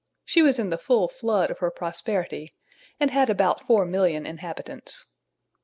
She was in the full flood of her prosperity, and had about 4,000,000 inhabitants.